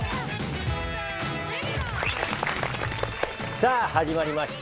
さあ始まりました